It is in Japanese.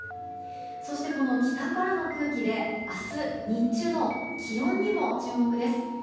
そして、この北からの空気で明日日中の気温にも注目です。